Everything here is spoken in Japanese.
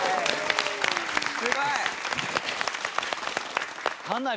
すごい！